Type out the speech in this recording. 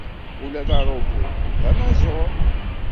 Ula d arubu d anaẓur!